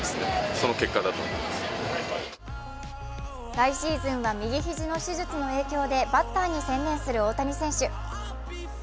来シーズンは右肘の手術の影響でバッターに専念する大谷選手。